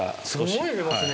すごい入れますね。